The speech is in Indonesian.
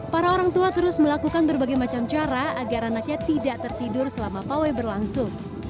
para orang tua terus melakukan berbagai macam cara agar anaknya tidak tertidur selama pawai berlangsung